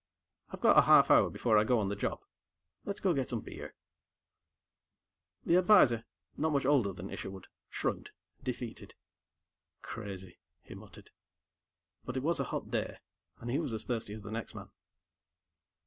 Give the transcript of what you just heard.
I've got a half hour before I go on the job. Let's go get some beer." The advisor, not much older than Isherwood, shrugged, defeated. "Crazy," he muttered. But it was a hot day, and he was as thirsty as the next man.